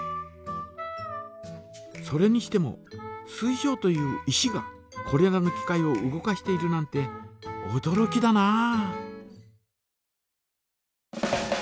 それにしても水晶という石がこれらの機械を動かしているなんておどろきだなあ。